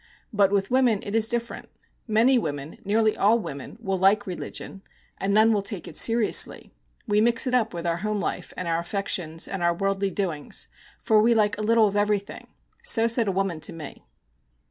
But with women it is different. Many women, nearly all women, will like religion, and none will take it seriously. We mix it up with our home life, and our affections, and our worldly doings; for we like a little of everything.' So said a woman to me.